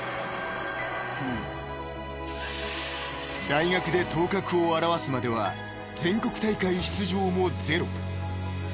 ［大学で頭角を現すまでは全国大会出場もゼロ］